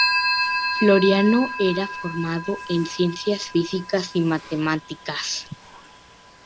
Floriano era formado en Ciencias Físicas y Matemáticas.